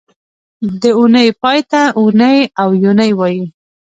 د اونۍ پای ته اونۍ او یونۍ وایي